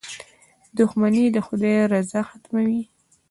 • دښمني د خدای رضا ختموي.